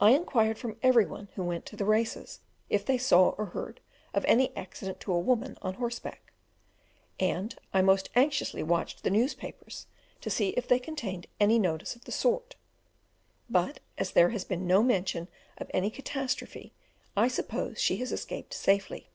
I inquired from every one who went to the races if they saw or heard of any accident to a woman on horseback, and I most anxiously watched the newspapers to see if they contained any notice of the sort, but as there has been no mention of any catastrophe, I suppose she has escaped safely.